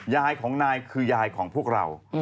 ยายของนายคือยายของพวกเรา